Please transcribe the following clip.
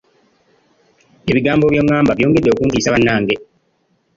Ebigambo byongamba byongedde okuntiisa bannange.